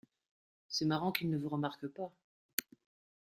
C’est marrant qu’il ne nous remarque pas.